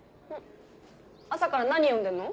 朝から何読んでんの？